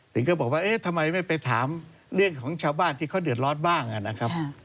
ถึงก็บอกว่าเอ๊ะทำไมไม่ไปถามเรื่องของชาวบ้านที่เขาเดือดร้อนบ้างนะครับ